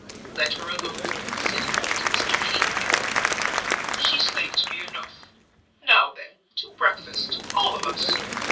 "Let her alone," said old Mr. King, hearing her. "She's thanked me enough. Now then, to breakfast, all of us!